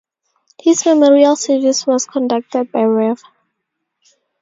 His memorial service was conducted by Rev.